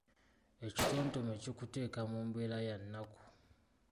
Ekitontome kikuteeka mu mbeera ya nnaku.